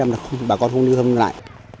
một trăm linh là bà con không đưa thêm lại